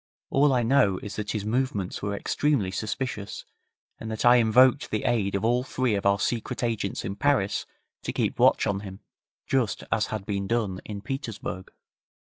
All I know is that his movements were extremely suspicious, and that I invoked the aid of all three of our Secret Agents in Paris to keep watch on him, just as had been done in Petersburg.